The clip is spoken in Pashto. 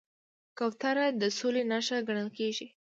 کوتره د سولې نښه ګڼل کېږي.